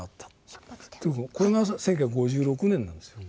これが１９５６年なんです。